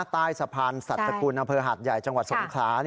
ใต้สะพานสัตว์สกุลอำเภอหาดใหญ่จังหวัดสงขลา